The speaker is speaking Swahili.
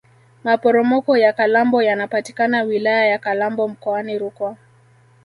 maporomoko ya kalambo yanapatikana wilaya ya kalambo mkoani rukwa